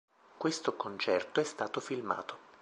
Questo concerto è stato filmato.